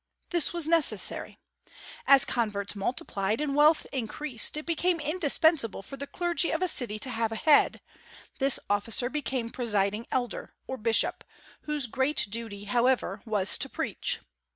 This was necessary. As converts multiplied and wealth increased, it became indispensable for the clergy of a city to have a head; this officer became presiding elder, or bishop, whose great duty, however, was to preach.